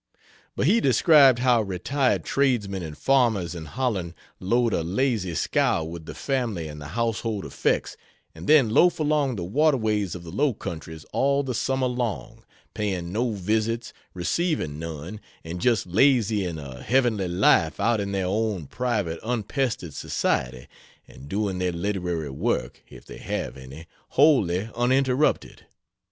But he described how retired tradesmen and farmers in Holland load a lazy scow with the family and the household effects, and then loaf along the waterways of the low countries all the summer long, paying no visits, receiving none, and just lazying a heavenly life out in their own private unpestered society, and doing their literary work, if they have any, wholly uninterrupted.